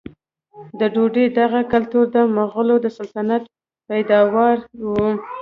د ډوډۍ دغه کلتور د مغولو د سلطنت پیداوار و.